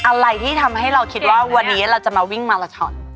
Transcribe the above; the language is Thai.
อะไรที่ทำให้เราคิดว่าวันนี้เราจะมาวิ่งมาลาชอน